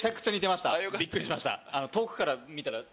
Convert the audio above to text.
びっくりしました。